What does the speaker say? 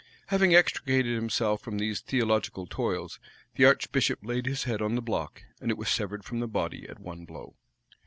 [*] Having extricated himself from these theological toils, the archbishop laid his head on the block, and it was severed from the body at one blow.